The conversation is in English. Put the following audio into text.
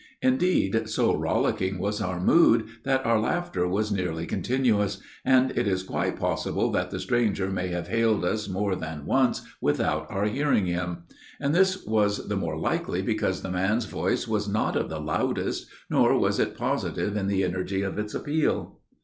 Indeed, so rollicking was our mood that our laughter was nearly continuous, and it is quite possible that the stranger may have hailed us more than once without our hearing him. And this was the more likely because the man's voice was not of the loudest, nor was it positive in the energy of its appeal.